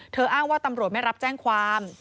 อ้างว่าตำรวจไม่รับแจ้งความ